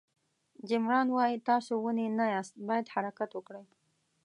جیم ران وایي چې تاسو ونې نه یاست باید حرکت وکړئ.